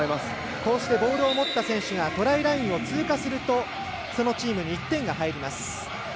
こうしてボールを持った選手がトライラインを通過するとそのチームに１点が入ります。